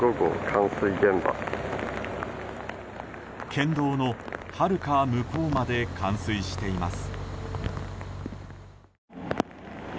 県道のはるか向こうまで冠水しています。